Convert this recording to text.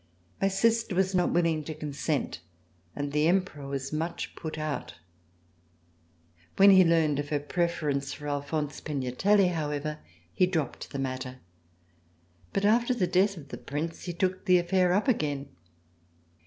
My sister was not willing to consent, and the Emperor was much put out. When he learned of her preference for Alphonse Pignatelli, however, he dropped the matter, but after [343 ] RECOLLECTIONS OF THE REVOLUTION the death of the Prince he took the affair up again.